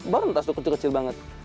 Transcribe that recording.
bawah menetas tuh kecil kecil banget